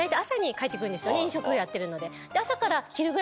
飲食をやってるので。